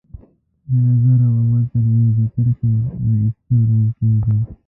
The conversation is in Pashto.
د نظر او عمل تر منځ د کرښې را ایستل ممکن دي.